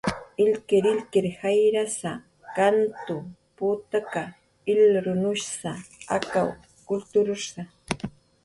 Akura, Juli may markasanawa, illkirillkirir jayra, kantu, putaka, ilrunushsa akaw kultursa.